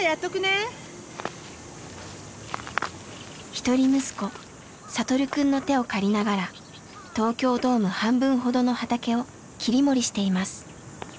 一人息子聖くんの手を借りながら東京ドーム半分ほどの畑を切り盛りしています。